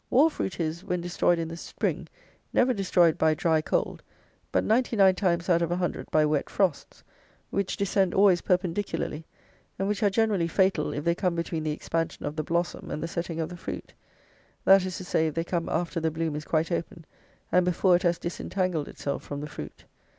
Wall fruit is, when destroyed in the spring, never destroyed by dry cold; but ninety nine times out of a hundred, by wet frosts, which descend always perpendicularly, and which are generally fatal if they come between the expansion of the blossom and the setting of the fruit; that is to say, if they come after the bloom is quite open, and before it has disentangled itself from the fruit.